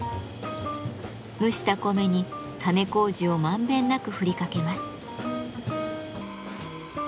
蒸した米に種麹をまんべんなく振りかけます。